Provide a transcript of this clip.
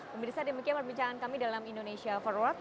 pemirsa demikian perbincangan kami dalam indonesia forward